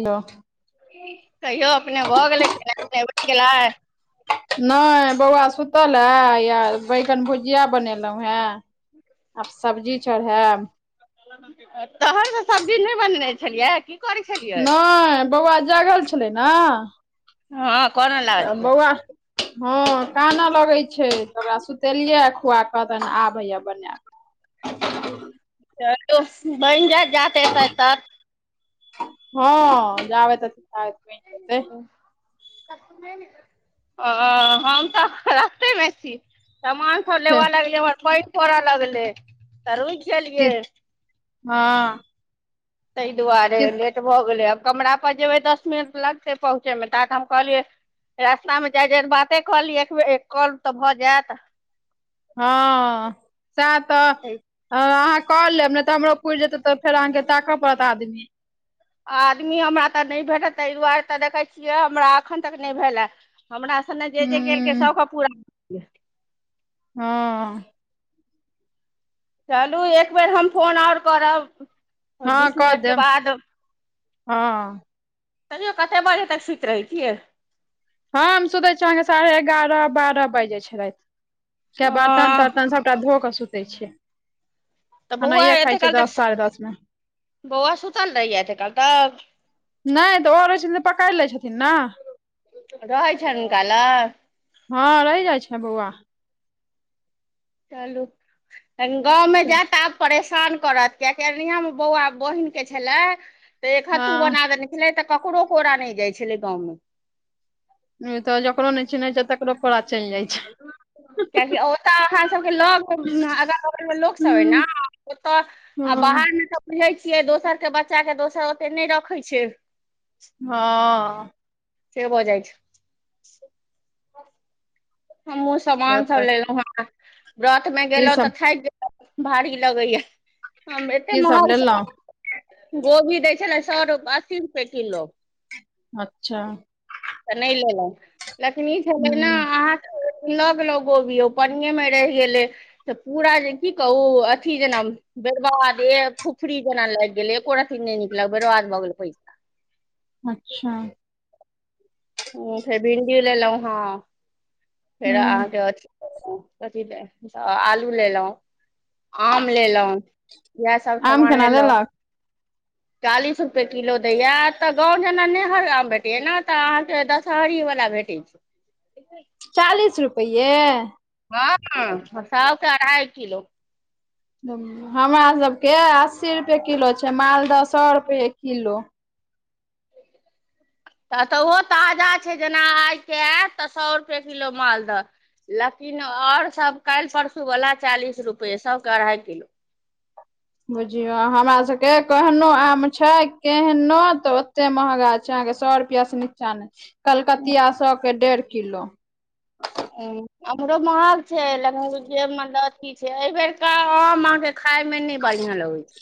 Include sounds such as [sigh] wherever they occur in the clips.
Hello कहियो अपने भऽ गेलै खेनाय पिनाय बैन गेलै। नै बौआ सुतल ए या बैंगन भुजिया बनेलहुँ हें। आब सब्जी चढ़ेब। तहन तऽ सब्जी नै बनने छलिया की करै छलियै नै बौआ जागल छलै नऽ। हाँ कोनऽला बौआ हाँ कानऽ लगै छै त ओकरा सुतेलिया खुआ कऽ तहन आबैए बनाऽ चलु बइन जाएत जात एतत हाँ जाबेत तऽ आदमी। ह अऽ हम तऽ अखन रस्तेमे छी समान फोन लेबऽ लगलै एम्हर पैन पड़ऽ लगलै तऽ रुक गेलियै। हऽ तैय दुआरे लेट भऽ गेलै आब कमरा पर जेबै दस मिनट लगतै पहुँचेमे तात हम कहलियै रास्ता मे जाइत-जाइत बाते कलि एक बेर एक काॅल तऽ भऽ जैत हऽ से तऽ [unintelligible] हऽ अहाँ कऽ लेब नै तऽ हमरो पुइर जेतै तऽ फेर अहाँके ताकऽ पड़त आदमी आदमी हमरा तऽ नै भेटत तैय दुआरे तऽ देखै छियै हमरा एखन तक नै भेलै हमरा सने जे जे केलकै हूँ सबके पूरा भऽ गेले हऽ चलू एकबेर हम फोन और करब हँ बीस कऽ मिनटके देब बाद हँ तयौ कतै बजे तक सुइत रहै छियै हम सुतै छिय अहाँके साढ़े एगार बारह बाज जाय छै राइत किये अ बर्तन तर्तन सब सबटा धोक कऽ सुतै छियै तऽ बौआ खेनाइये एते खाइ छिय काल तक दस साढ़े दस मे बौआ सुतल रहै यै एते काल तक नै तऽ ओ रहय छथिन तऽ पकेड़ लै छथिन नऽ रहै छैन हुनका लग हँ रहि जाइ छै बौआ चलू तहन गाँवमे जैत आब परेशान करत कियकि अरनिया मे बौआ बोहिनके छलै तऽ एक हथू हँ बना देने छलै तऽ ककरो कोरा नहि जाए छलै गाँवमे नै ई तऽ जकरो नहि चिन्है छै तकरो कोरा चलि जाए छै सब के लग में अगल बगल मे लोक सब अय नऽ हूँ ओतऽ आ बाहर मे सब सुनै छियै दोसर के बच्चा के दोसर ओते नहि रोखय छै हँ से भऽ जाए छै हमहु से समान सब तऽ लेलौ हें व्रत में की गेलौतऽ सब थाकि गेल भारी लगैया हम एते की सब महग लेलहुँ समान गोभी दै छलै सौ रुप अस्सी रुपए किलो अच्छा तऽ नहि लेलौ लेकिन ई छलै ने हूँ अहाँ लगलो गोभी ओ पनिये मे रहि गेले तऽ पूरा जे की कहू अथी जेना बेरबाद ए फुफरी जैना लागि गेलै एको रत्ती नहि निकल बरबाद भऽ गेल पैस अच्छा हु फेर भिन्डी लेलौ हँ फेर हूँ अहाँके कथी के आलू लेलो आम लेलौ इहेसब आम समान केना लेलौ देलक चालीस रुपए किलो दैया तऽ गाँव जेना नै हर आम भेटैया नऽ तऽ अहाँ दशहरी वला भेटै छै। चालीस रुपयै हँ सौ के अढ़ाइ किलो हमरा सबके अस्सी रुपए किलो छै मालदह सौ रुपए किलो तऽ तऽ ओहो ताजा छै जेना आइके ऐत तऽ सौ रुपए किलो मालदह लेकिन और सब काल्हि परसू बला चालीस रुपये सौ के अड़हाई किलो बुझियो आ हमरा सबके कहनो आम छै केहनो तऽ ओते महगा च अहाँ के सौ रुपया स निच्चा नै, कलकतिया सौ के डेढ़ किल्लो। हूँ, अख्न बड महग छै, लगभग जे मतल थी छै, ऐ बेरका ओहो मँहगे खाय में नै बढ़ियाँ लगैछ।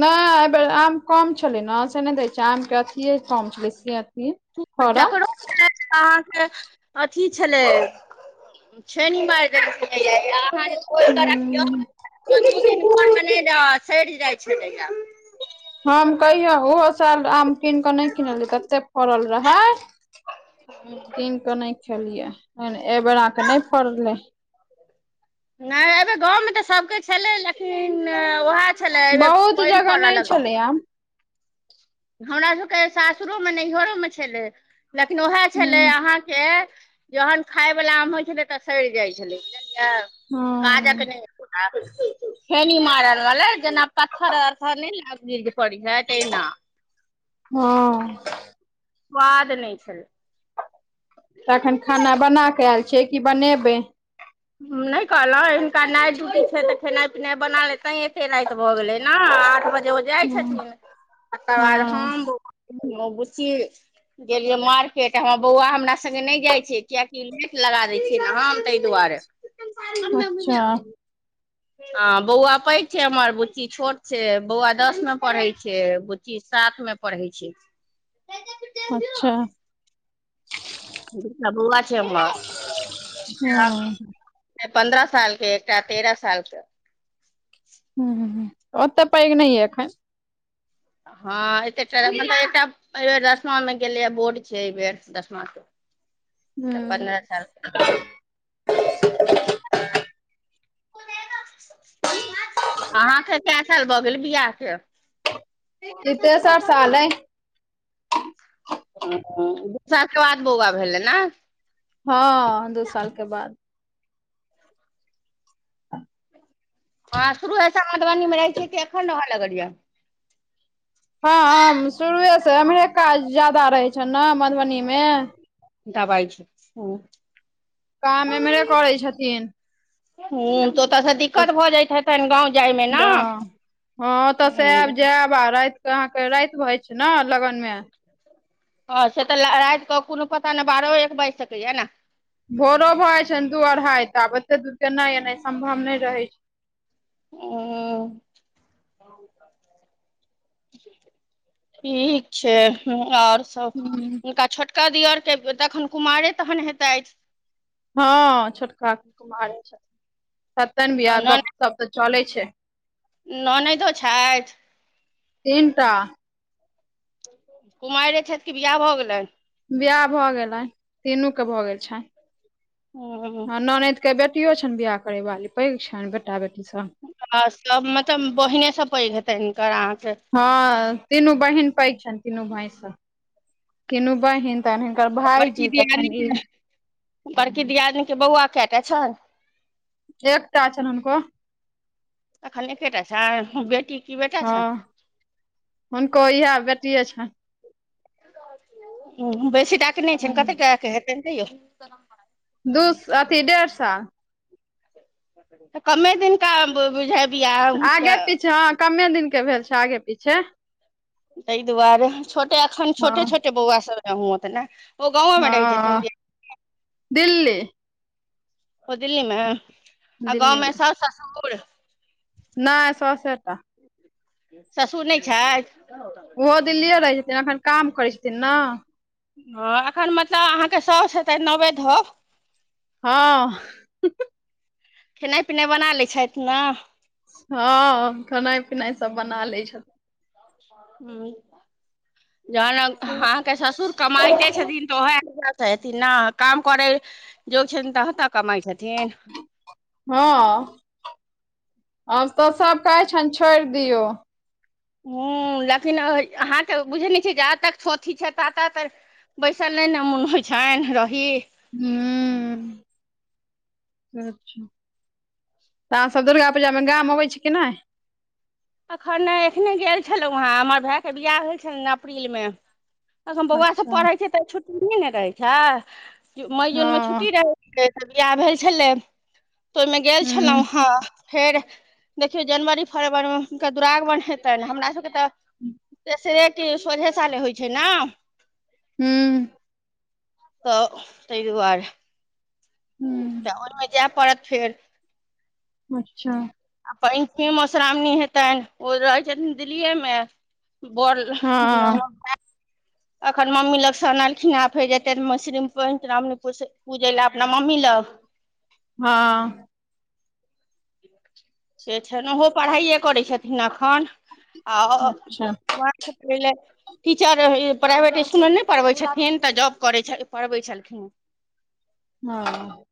नै ऐ बेेर आम कम छलै न, से नै दै छै आम के अथिेये कम छलै से अथी फड़ल जकरो [inaudible] अहाँके अथी छलै, छेनी मैर देलकैये, आ आहाँ जे [inaudible] क राखियौ हूँ [unintelligible] मन में नै द, सैर जै छै तैया। हम कहियो ओहो साल आम किन कऽ नै किनल्ये, तत्ते फरल रहे हूँ। त नै खेलियै, ओइ में ऐ बेेरा क नै फरलै। नै ऐ बेर गाँव में तऽ सबके छलै लेकिन, वेहे छले, ऐ बेर पैन पड़ लग रैयाम हमरा सके सासुरो में नैहरो में छलै, लेकिन वेहे छलै हूँ अहाँके जहन खाय बला आम होइ छलै तऽ सैड़ जै छलै से काजक हँ नै होइ छेनी मारल वला, जेना पत्थर-अत्थर नै मिर्गी पड़ी जै तैना। हँ। खुवा देने छल। त अखन खाना बना कऽ एल छियै कि बनेबै? नै कअलौं हिनका नाइट ड्यूटी छै तऽ खेनै-पिनै बना ले तैं एत्ते रैत भऽ गेलै ना, आठ बजे ओ जै हँ छथिन, तकर वाद हँ हम बौ ब-बुच्ची गेलियै मार्केट हमर बौआ हमरा संगे नै जै छै किएकि लिट लगा दै छियै ने हम तै दुआरे। अच्छा। अँ, बौआ पैघ छै हमर बुच्ची छोट छै, बौआ दस में पढ़ै छै, बुच्ची सात में पढ़है छै। अच्छा। [inaudible] बौआ छै हमर। हँ पन्द्रह साल के, एकटा तेरह सालके। ओत्ते पैघ नै ऐ अखैन। हँ, एत्ते-टा रे मतलब एकटा ऐ बेर दसमा में गेलैये, बोर्ड छै ऐ बेर दसमा के। तऽ पन्द्रह साल हूँ। आहाँ के-के साल भऽ गेल बियाह के? इ तेसर साल ऐ। दू- साल के बाद बौआ भेले नै? हँ, दू साल के बाद। [unintelligible] अआँ शुरू से मधुवनी में रहै छियै कि एखन रहऽ लगलिये? हँ अम शुरुए से, एम्हरे काज ज्यादा रहै छैन न मधुबनी में। दबाइ छी, हुं काम एम्हरे करै छथीन। हूंन। तऽ ओतऽ से दिक्कत भऽ जैत हेतैन गाँव जै में ना? ऊँ। बाबा राति के अहाँके राति भ जाइ छै ने लगन में। हँ से तऽ राति कऽ कोनो पता नहि बारहो एक बाजि सकैये ने। भोरो भऽ जाइ छै दू अढ़ाई तऽ आब एते दूर केना एना सम्भव नहि रहै छै। उं। ठीक छै और हूँ हुनका छोटका दिअर के तखन कुमारे तखन हेतैत। हँ छोटका कुमारे छथि, हेतैन बियाह गप तऽ चलै छैन। ननैदो छथि। तीनटा। कुमारिेये छथि कि बियाह भऽ गेलनि। बियाह भ गेलैन, तीनू के भऽ गेल छैन। ह हँ ऩनैद के बेटियो छनि बियाह करै बाली, पैघ छनि बेटा बेटी सब। आ सब मतलब बहिने सब पैघ हेतै हिनकर अहाँके हँ तीनू बहिन पैघ छनि तीनू भाइ सं। तीनू बहिन तगन हिनकर बड़की भायजी दियादनी तखन ई। के बड़की दियादिनीके बौआ कय टा छनि? एकटा छैन हुनको अखैन एकेटा छैन आ बेटी की बेटा हँ छैन? हुनको इएह बेटिये छनि। हं बेसी टाके नहि छैन हूँ कतेटाके हेतैन तैयो दू अथी डेढ़ साल। तऽ कमे दिन का बुझा आगे पीछे हँ कमे दिनके भेल छै आगे पीछे। ताहि दुआरे छोटे एखन छोटे हँ छोटे बौआ सभ हेतै ने। ओ गाँवे मे रहै छथिन हँ दिल्ली। ओ दिल्ली मे, आ दिल्ली गाँव में मे सब सासु आ ससुर नहि सौ से टा। ससुर नहि छथि। ओहो दिल्लिए रहै छथिन, अखैन काम करै छथिन ने। हँ एखन मतलब अहाँके साऊस हेतैथ नबे धोव हँ। खेनाइ पिनाइ बना लै छथि ने? हँ खेनाइ पिनाइ सब बना लै छथि। हं जहन अहाँके ससुर कमायते छथिन स हेथिन ने काम करै जोग छथिन तखन तऽ कमाइ छथिन। हँ, आब तऽ सब कहै छैन छोड़ि दियौ। हं लेकिन अहाँ त बुझै नहि छियै जा तक थोथी छै ता तक बैसल नहि ने मोन होइ छैन रही। हूं। अच्छा तऽ अहाँ सब दुर्गा पूजामे गाम अबै छी कि नहि। एखन नै, एखने गेल छलहुँ हैं हमर भायके बियाह भेल छलनि अप्रील मे। अखन बौआ सब अच्छा पढ़ै छै ते छुट्टी नै न रहे छै, मई जून में हँ छुट्टी रहै तऽ बिआह भेल छलै तऽ ओहिमे गेल हूँ छलहुँ हँ। फेर देखियौ जनवरी फरवरी मे हुनका दुरागमन हेतैन, हमरा सभके तऽ तेसरे कि सोझे साले होइ छै ने। हुं तऽ ताहि दुआरे हूँ तऽ सावन मे जाय पड़त फिर। अच्छा आ पहिलकी मधुश्रावणी हेतैन ओ रहैत छथिन दिल्लीए मे। बड लोग हँ में अखन मम्मी लग स अनलखिन हं, फेर जेते मसरी में मधुश्रावणी पुर पूजय लए अपना मम्मी लग। हाँ से छै ने ओहो पढ़ाइए करै छथिन एखन आ अच्छा पहिले टीचर इ प्राइवेट इसकुलमे नहि पढ़बै छथिन, तऽ जॉब करै छै। पढ़बै छलखिन। हाँ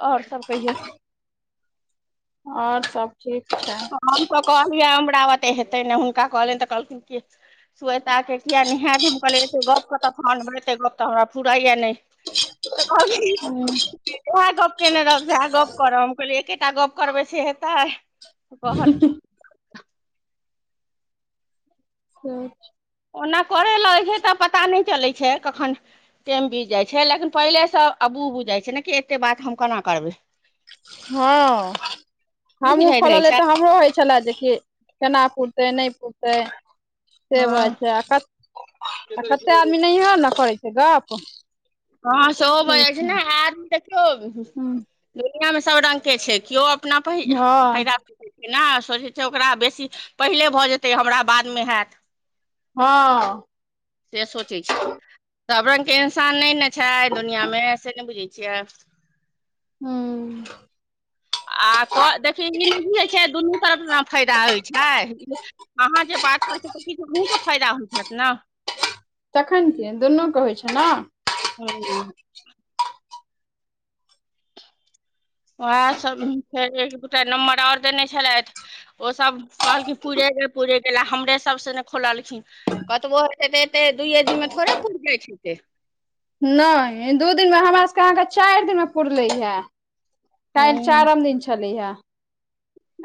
और सब कहियौ? और सब ठीक छै। हम तऽ कहलियै, हमरा बूते हेतै ने हुनका कहलियनि तऽ कहलखिन कि श्वेता के किया नै हैत, हम कहलीय एते गप कतऽ कान भैसे एते गप तऽ हमरा फूराय या नै। तऽ कहलखिन अच्छा ऊएह गप्प केने रहब सेएह गप करब, हम कहलियै एकेटा गप करबै से हेतै? कहलखिन [unintelligible] ओना करै लगैत छै तऽ पता नहि चलैत छै कखन टैम बीत जाइ छै, लेकिन पहिले से अबूह बुझै छै ने कि एते बात हम केना करबै? हाँ, नहि हमू बुझाइत रहै खोललिय छै तऽ हम हमरो होइ छले, जे कि केना पुरतै नहि पुरतै? से हँ होयत रहे, आ कते कते आदमी नहियो न करै छै गप। हँ सेहो भो जै छै ने आदमी देखियौ हूँ दुनिया मे सब रंग के छै केओ अपना प हँ फायदा ना सोचै छै ओकरा बेसी पहिले भऽ जेतै हमरा बादमे हैत। हाँ से सोचै छै, सब रंग के इंसान नहि ने छै, दुनिया मे से नहि बुझै छियै? हूं आ को देखियौ होइ छै, दुनू तरफ न फायदा होइ छै। अहाँ जे बात करै छियै तऽ किछु अहूँके फायदा होइत छैथ न। तखन के दुनूके होइत छै न। हुं उं उएह सब फेर एक दूटा नम्बर आओर देने छलैथ। ओसभ कहलखिन पूरे ग पूरे गेला हमरे सबसँ ने खोललखिन। कतबो होेतै तऽ एते दुइए दिनमे थोड़े पुरि जाइत हैतै? नहि दू दिनमे हमर सभके अहाँके चार दिनमे पुरले हे। काइल हूँ चारम दिन छलैय।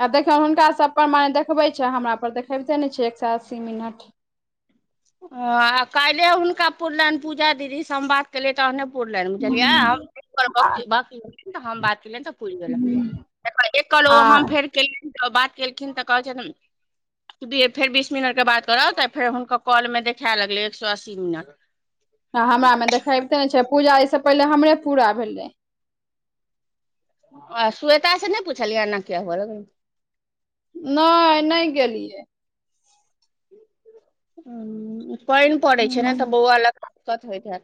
आ देखियौ हुनका सब पर मान देखबै छै, हमरा पर देखेबिते नहि छै एक सए अस्सी मिनट? ह आ काएले हुनका पुरले हन पूजा दीदी हम बात केलियै तहने पुरलनि बुझलियै हमी त [unintelligible] ऽ हम बात केलनि तऽ प [unintelligible] गेलाद एकल ओ आ हम फेर केलईअन तऽ बात केलखिन त कहै छै हम्म, बेर फेर बीस मिनट के बात कर अ तऽ फेर हुनक कॉल में देखै लगले एक सौ अस्सी मिनट। हं हमरा मे देखेबते नै छै, पूजा ऐसे पहिले हमरे पूरा भेलै। आ स्वेता से नयि पुछलिये एना किया होबब लगले। नयि, नयि गेलियै। हम्म पइन पड़े छै न तऽ बौउआ लक अ कत होइत हेत।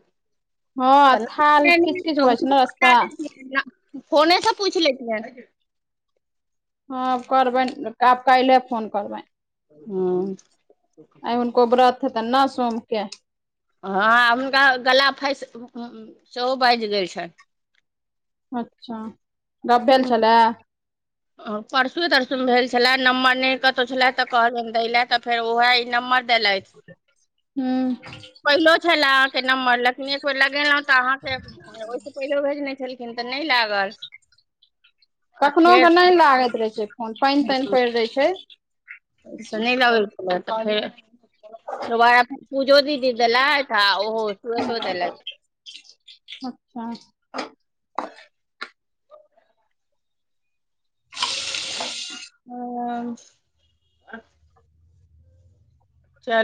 हँ थाल किच किच होइ छै ने रस्ता [unintelligible] फोने से पूइछ ले छियन। हँ करबन, आब कैइले फोन करबन। हम्म आइ हुनको व्रत हेतन न सोमके हँ हुनका गला फँइस म-म-म सेहो बाइज गेल छन। अच्छा। गप भेल हम्म छलए अ परसुऐ तरसुऐ मे भेल छलै नम्बर नयि कतु छले त कहलइयन देलै त फेर ओहे ई नम्बर देलथ हूँ पहिलू छलै अहां के नम्बर लेकिन फोन लगेलुं तऽ अहाँके, ओहिसँ पहिले भेजने छलखिन तऽ नहयि लागल। आ कखनो फेर के नयि लागैत रहै छै फोन पाइन ताइन पइड़ रहे छै। त-त ला ब-ब हमरा ढ़ारे, दोबारा फेर पूजा दीदी देलथ अ ओहो रोतो देलेथ। अच्छा। हममा।